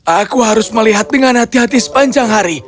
aku harus melihat dengan hati hati sepanjang hari